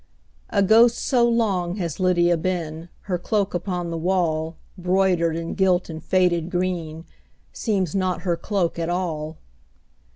A ghost so long has Lydia been, Her cloak upon the wall, Broidered, and gilt, and faded green, Seems not her cloak at all.